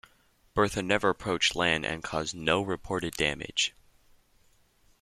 Bertha never approached land and caused no reported damage.